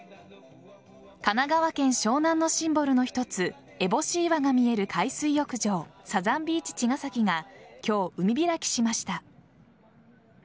神奈川県湘南のシンボルの一つえぼし岩が見える海水浴場サザンビーチちがさきが今日、海開きしました。